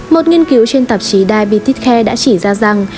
một nghiên cứu trên tạp chí diabetes care đã chỉ ra rằng